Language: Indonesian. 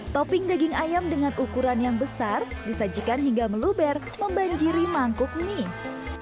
topping daging ayam dengan ukuran yang besar disajikan hingga meluber membanjiri mangkuk mie